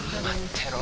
てろ